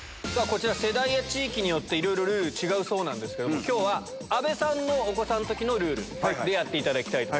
こちら世代や地域によってルール違うそうなんですけど今日は阿部さんのお子さんの時のルールでやっていただきたい。